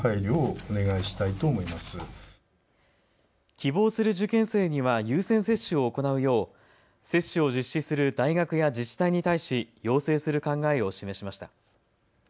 希望する受験生には優先接種を行うよう接種を実施する大学や自治体に対し、要請する考えを示しました。